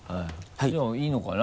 じゃあいいのかな？